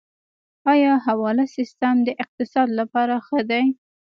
آیا حواله سیستم د اقتصاد لپاره ښه دی؟